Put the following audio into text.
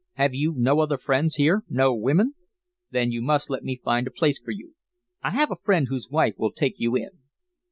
Have you no other friends here no women? Then you must let me find a place for you. I have a friend whose wife will take you in."